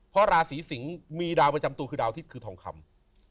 เพราะราศีสิงศ์มีดาวประจำตัวคือดาวอาทิตย์คือทองคำ